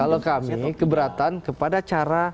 kalau kami keberatan kepada cara